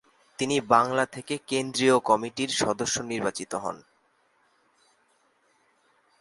তিনি বাংলা থেকে কেন্দ্রীয় কমিটির সদস্য নির্বাচিত হন।